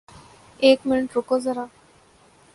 ایک منٹ رکو زرا